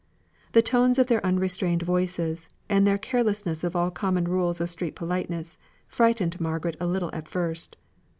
The tones of their unrestrained voices, and their carelessness of all common rules of street politeness, frightened Margaret a little at first.